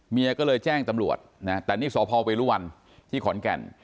เมียก็เลยแจ้งตำรวจนะแต่นี่สพเวรุวันที่ขอนแก่น